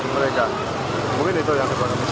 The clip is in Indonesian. mungkin itu yang diperhatikan